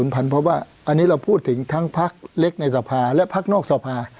เพราะว่าอันนี้เราพูดถึงทั้งพักเล็กในสภาและพักนอกสภา